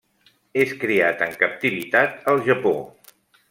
És criat en captivitat al Japó.